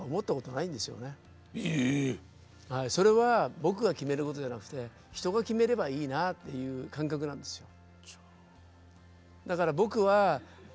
それは僕が決めることじゃなくて人が決めればいいなっていう感覚なんですよ。